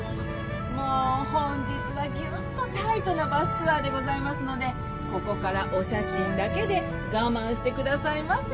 もう本日はぎゅっとタイトなバスツアーでございますのでここからお写真だけで我慢してくださいませ。